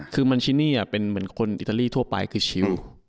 คือมันชินี่เป็นเหมือนคนอิตาลีทั่วไปคือชิว